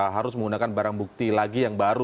harus menggunakan barang bukti lagi yang baru